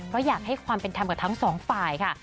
เพราะอยากให้ความเป็นธรรมกับทั้งสองฝ่ายค่ะ